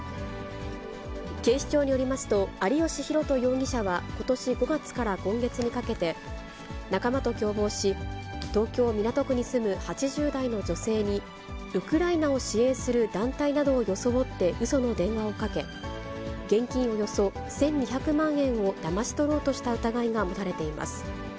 警視庁によりますと、有吉大斗容疑者はことし５月から今月にかけて、仲間と共謀し、東京・港区に住む８０代の女性に、ウクライナを支援する団体などを装ってうその電話をかけ、現金およそ１２００万円をだまし取ろうとした疑いが持たれています。